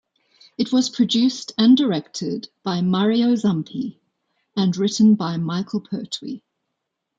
It was produced and directed by Mario Zampi and written by Michael Pertwee.